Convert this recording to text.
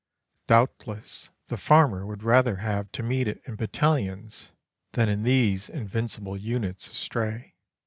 Doubtless the farmer would rather have to meet it in battalions than in these invincible units astray.